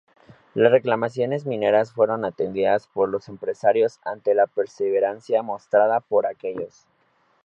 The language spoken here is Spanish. Las reclamaciones mineras fueron atendidas por los empresarios ante la perseverancia mostrada por aquellos.